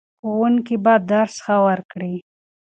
ښوونکي به ښه درس ورکړي.